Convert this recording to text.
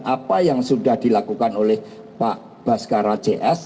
apa yang sudah dilakukan oleh pak baskara cs